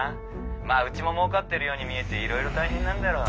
まあうちももうかってるように見えていろいろ大変なんだろ。